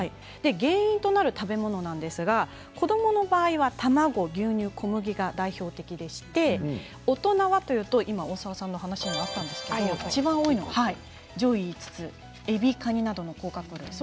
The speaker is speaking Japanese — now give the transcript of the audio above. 原因となる食べ物なんですが子どもの場合は卵、牛乳、小麦が代表的で大人はといいますと大沢さんの話になりましたけれどいちばん多いのがえびとカニなどの甲殻類です。